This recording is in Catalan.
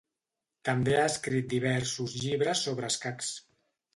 També ha escrit diversos llibres sobre escacs.